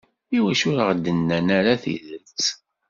Iwacu ur aɣ-d-nnan ara tidet?